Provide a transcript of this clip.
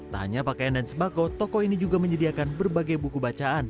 tak hanya pakaian dan sembako toko ini juga menyediakan berbagai buku bacaan